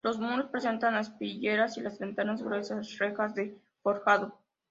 Los muros presentan aspilleras y las ventanas gruesas rejas de forjado.